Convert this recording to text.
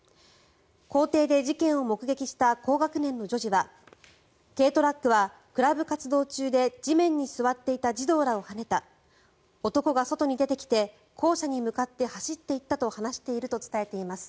校庭で事件を目撃した高学年の女児は軽トラックは、クラブ活動中で地面に座っていた児童らをはねた男が外に出てきて校舎に向かって走っていったと話していると伝えています。